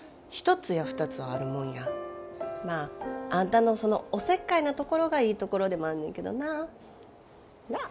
まああんたのそのおせっかいなところがいいところでもあんねんけどな。なあ？